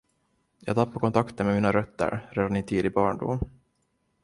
Jag tappade kontakten med mina rötter redan i tidig barndom.